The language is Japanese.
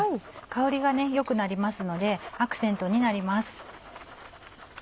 香りが良くなりますのでアクセントになります。